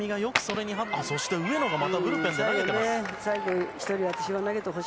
そして上野がまたブルペンで投げてます。